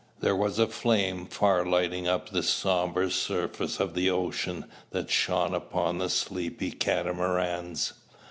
There was a flame far lighting up the sombre surface of the ocean that shone upon the sleepy Catamarans.